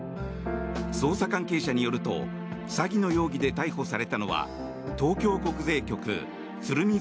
捜査関係者によると詐欺の容疑で逮捕されたのは東京国税局鶴見